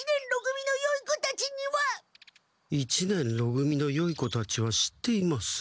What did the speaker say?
一年ろ組のよい子たちは知っています。